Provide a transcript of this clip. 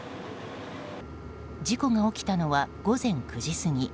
事故が起きたのは午前９時過ぎ。